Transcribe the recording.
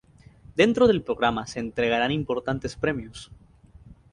Dentro del programa se entregaran importantes premios.